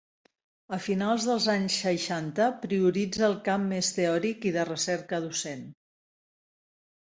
A finals dels anys seixanta, prioritza el camp més teòric i de recerca docent.